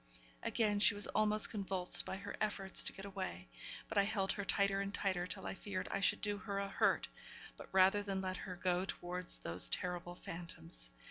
Again she was almost convulsed by her efforts to get away; but I held her tighter and tighter, till I feared I should do her a hurt; but rather that than let her go towards those terrible phantoms.